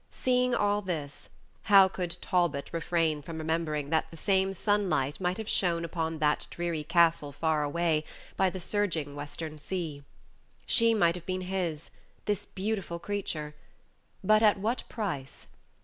Seeing all this, how could Talbot refrain from remembering that the same sunlight might have shone upon that dreary castle far away by the surging Western Sea? She might have been his, this beautiful creature; but at what price?